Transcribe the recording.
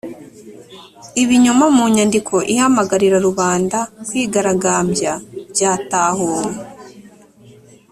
ibinyoma mu nyandiko ihamagarira rubanda kwigaragambya byatahuwe